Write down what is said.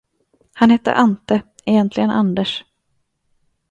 Han hette Ante, egentligen Anders.